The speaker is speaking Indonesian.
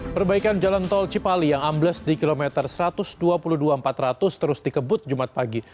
perbaikan jalan tol cipali yang ambles di kilometer satu ratus dua puluh dua empat ratus terus dikebut jumat pagi